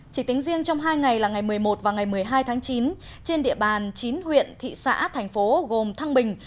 chỉ tính riêng trong hai ngày là ngày một mươi một và ngày một mươi hai tháng chín trên địa bàn chín huyện thị xã thành phố gồm thăng bình